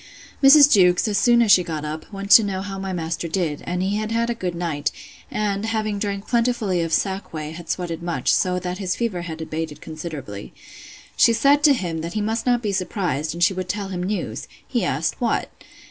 Mrs. Jewkes, as soon as she got up, went to know how my master did, and he had had a good night; and, having drank plentifully of sack whey, had sweated much; so that his fever had abated considerably. She said to him, that he must not be surprised, and she would tell him news. He asked, What?